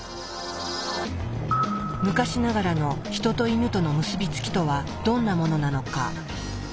昔ながらのヒトとイヌとの結び付きとはどんなものなのか。